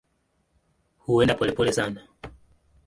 Huenda polepole sana.